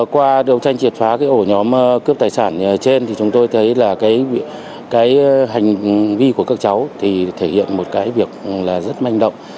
qua đấu tranh triệt phá cái ổ nhóm cướp tài sản trên thì chúng tôi thấy là cái hành vi của các cháu thì thể hiện một cái việc là rất manh động